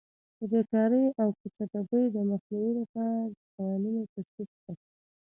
د بېکارۍ او کوڅه ډبۍ د مخنیوي لپاره قوانین تصویب شول.